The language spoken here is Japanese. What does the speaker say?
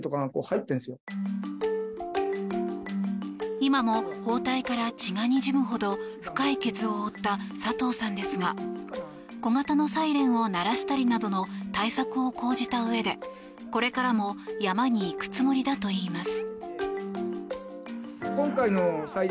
今も包帯から血がにじむほど深い傷を負った佐藤さんですが小型のサイレンを鳴らしたりなどの対策を講じたうえで、これからも山に行くつもりだといいます。